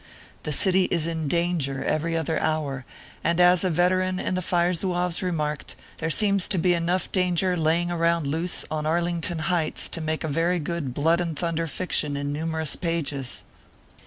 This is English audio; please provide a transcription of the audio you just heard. The city is in " danger" every other hour, and as a veteran in the Fire Zouaves re marked, there seems to be enough danger laying around loose on Arlington Heights to make a very good blood and thunder fiction in numerous pages.